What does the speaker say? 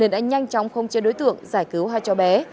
nên đã nhanh chóng khống chế đối tượng giải cứu hai trò bé